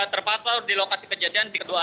terpantau di lokasi kejadian di kedua